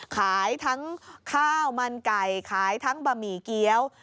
ขายทั้งข้าวมันไก่ขายทั้งบะหมี่เกี้ยว